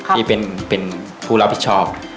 ที่เป็นผู้รับผิดชอบ